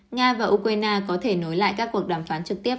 nga và ukraine có thể nối lại các cuộc đàm phán trực tiếp